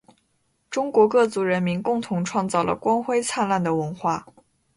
中国各族人民共同创造了光辉灿烂的文化